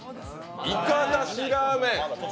イカだしラーメン。